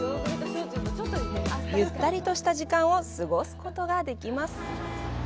ゆったりとした時間を過ごすことができます。